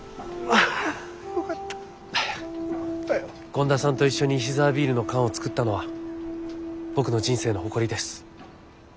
権田さんと一緒に石沢ビールの缶を作ったのは僕の人生の誇りです。